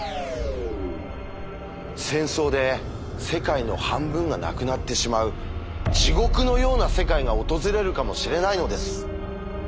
戦争で世界の半分がなくなってしまう地獄のような世界が訪れるかもしれないのです。